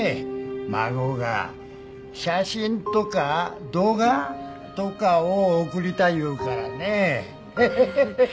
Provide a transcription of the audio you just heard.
孫が写真とか動画とかを送りたいいうからねははははっ